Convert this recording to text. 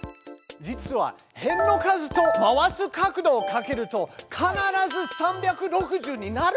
実は辺の数と回す角度をかけると必ず３６０になるんです！